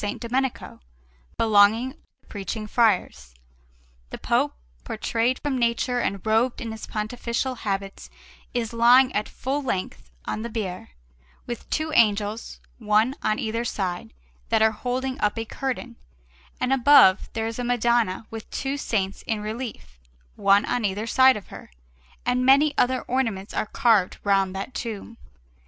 Domenico, belonging to the Preaching Friars; the Pope, portrayed from nature and robed in his pontifical habits, is lying at full length on the bier, with two angels, one on either side, that are holding up a curtain, and above there is a Madonna with two saints in relief, one on either side of her; and many other ornaments are carved round that tomb.